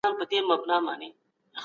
چېري د سپوږمکۍ کارولو تړونونه شتون لري؟